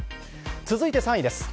続いて３位です。